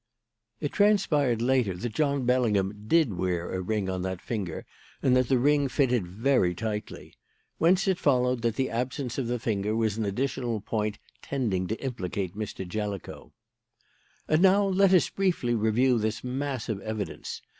"It transpired later that John Bellingham did wear a ring on that finger and that the ring fitted very tightly. Whence it followed that the absence of the finger was an additional point tending to implicate Mr. Jellicoe. "And now let us briefly review this mass of evidence.